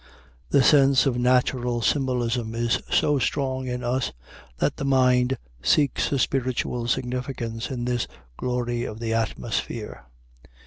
The sense of natural symbolism is so strong in us, that the mind seeks a spiritual significance in this glory of the atmosphere.